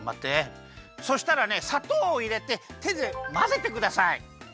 そしたらねさとうをいれててでまぜてください。